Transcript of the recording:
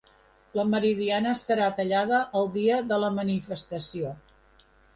La Meridiana estarà tallada el dia de la manifestació